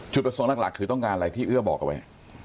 ประสงค์หลักคือต้องการอะไรที่เอื้อบอกเอาไว้